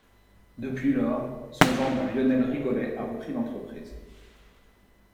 Depuis lors, son gendre Lionel Rigolet a repris l'entreprise.